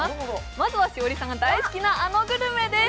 まずは栞里さんが大好きなあのグルメです。